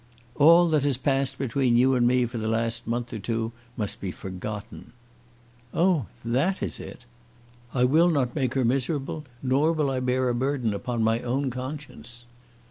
"All that has passed between you and me for the last month or two must be forgotten." "Oh, that is it!" "I will not make her miserable, nor will I bear a burden upon my own conscience."